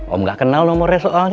om gak kenal nomornya soalnya